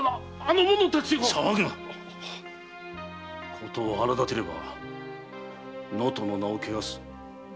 ことを荒立てれば能登の名を汚す。